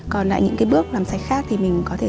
còn những bước làm sạch khác thì mình có thể